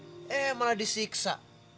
tapi malah disiksa